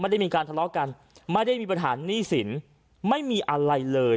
ได้มีการทะเลาะกันไม่ได้มีปัญหาหนี้สินไม่มีอะไรเลย